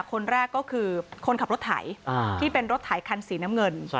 คนแรกก็คือคนขับรถไถที่เป็นรถไถคันสีน้ำเงิน